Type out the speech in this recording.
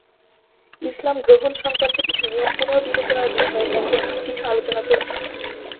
ইসলাম গ্রহণ সংক্রান্ত কিছু নিয়ম পুনর্বিবেচনার বিষয়ে এখন কিছু আলোচনা চলছে।